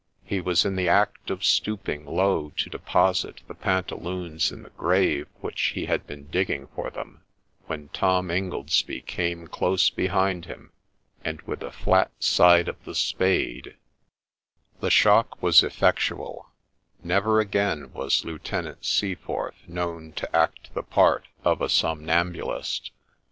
He was in the act of stooping low to deposit the pantaloons in the grave which he had been digging for them, when Tom Ingoldsby came close behind him, and with the flat side of the The shock was effectual ;— never again was Lieutenant Seaforth known to act the part of a somn'ambulist.